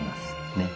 ねっ。